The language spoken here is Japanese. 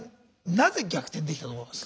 なぜ逆転できたと思います？